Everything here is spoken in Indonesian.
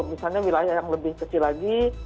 misalnya wilayah yang lebih kecil lagi